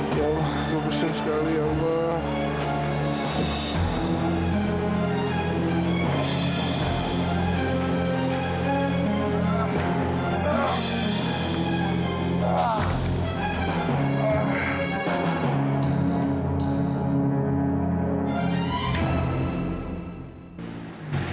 ya allah aku besar sekali ya allah